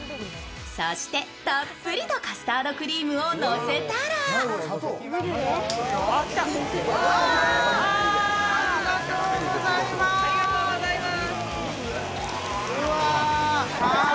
そして、たっぷりとカスタードクリームをのせたらありがとうございます。